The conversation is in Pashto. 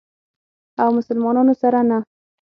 او مسلمانانو سره نه.